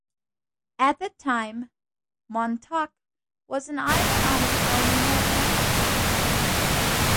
At that time, Montauk was an island on its own in the Atlantic.